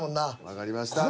わかりました。